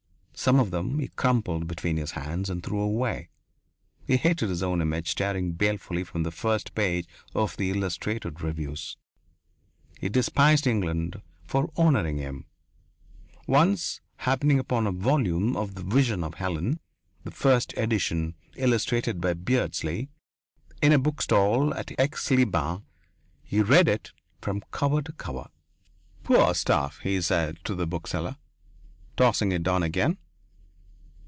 Some of them he crumpled between his hands and threw away. He hated his own image, staring balefully from the first page of the illustrated reviews. He despised England for honouring him. Once, happening upon a volume of the "Vision of Helen" the first edition illustrated by Beardsley in a book stall at Aix les Bains, he read it from cover to cover. "Poor stuff," he said to the bookseller, tossing it down again.